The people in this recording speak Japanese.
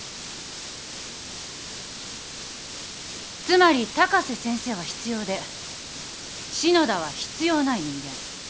つまり高瀬先生は必要で篠田は必要ない人間。